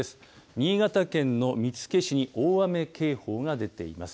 新潟県の見附市に大雨警報が出ています。